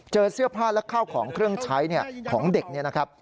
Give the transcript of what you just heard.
เสื้อผ้าและข้าวของเครื่องใช้ของเด็กเนี่ยนะครับ